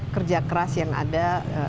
kerja keras yang ada